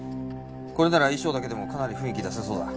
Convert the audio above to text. これなら衣装だけでもかなり雰囲気出せそうだ。